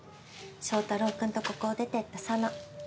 正太郎君とここを出ていった沙奈。